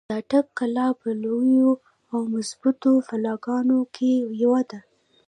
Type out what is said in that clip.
د اټک قلا په لويو او مضبوطو قلاګانو کښې يوه ده۔